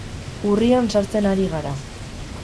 Urrian sartzen ari gara.